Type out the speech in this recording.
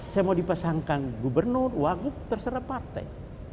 saya mau dipasangkan gubernur wagub terserah partai